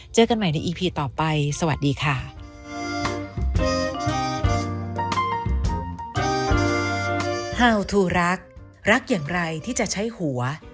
เจอกันใหม่ในอีพีต่อไปสวัสดีค่ะ